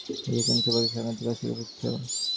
লিখেছে খুব একটা সাংঘাতিক অসুখে ভুগছে ও।